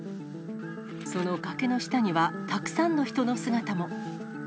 その崖の下にはたくさんの人の姿も。